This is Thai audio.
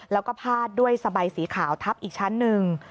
แล้วก็พาดด้วยสบายสีขาวทับอีกชั้นหนึ่ง